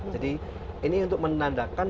jadi ini untuk menandakan